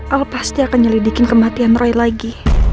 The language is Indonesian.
allah pasti akan nyelidikin kematian roy lagi